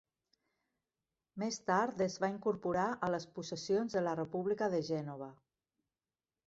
Més tard es va incorporar a les possessions de la República de Gènova.